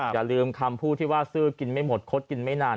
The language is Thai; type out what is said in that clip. อย่าลืมคำพูดที่ว่าซื้อกินไม่หมดคดกินไม่นาน